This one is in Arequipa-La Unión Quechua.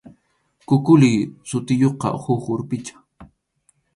Kukuli sutiyuqqa huk urpicha.